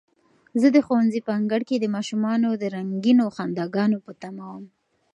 زه د ښوونځي په انګړ کې د ماشومانو د رنګینو خنداګانو په تمه وم.